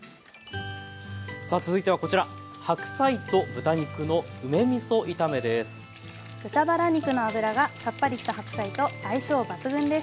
さあ続いてはこちら豚バラ肉の脂がさっぱりした白菜と相性抜群です。